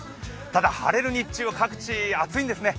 ただ晴れる日中は各地、暑いんですね。